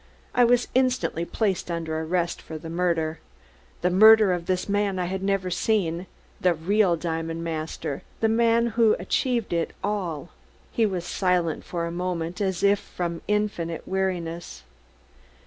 I was instantly placed under arrest for murder the murder of this man I had never seen the real diamond master, the man who achieved it all." He was silent for a moment, as if from infinite weariness.